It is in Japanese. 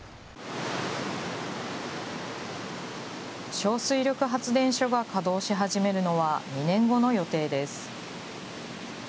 小水力発電所が稼働し始めるのは２年後の予定です。